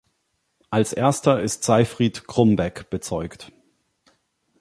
Als Erster ist „Seifried Krumbeck“ bezeugt.